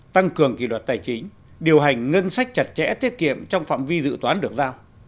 tăng cường kỷ luật tài chính điều hành ngân sách chặt chẽ tiết kiệm trong phạm vi dự toán được giao